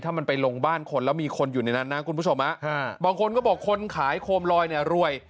ถ้ามันไปลงบ้านคนแล้วมีคนอยู่ในนั้นนะคุณผู้ชมบางคนก็บอกคนขายโคมลอยเนี่ยรวย